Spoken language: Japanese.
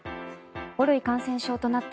５類感染症となった